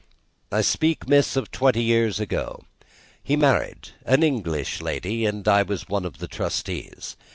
"I speak, miss, of twenty years ago. He married an English lady and I was one of the trustees.